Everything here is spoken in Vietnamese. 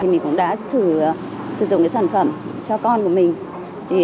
mình cũng đã thử sử dụng sản phẩm cho con của mình